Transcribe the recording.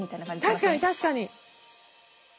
確かに確かに。